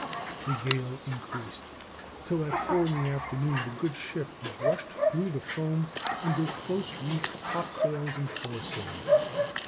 The gale increased; till at four in the afternoon the good ship was rushed through the foam under close reefed topsails and foresail.